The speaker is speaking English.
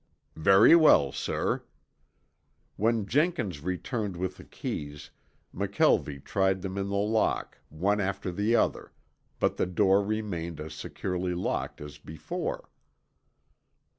"Very well, sir." When Jenkins returned with the keys McKelvie tried them in the lock, one after the other, but the door remained as securely locked as before.